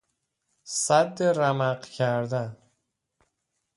سد رمق کردن